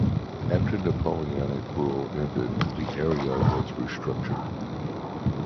After Napoleonic rule ended, the area was restructured.